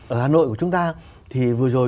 ở hà nội của chúng ta thì vừa rồi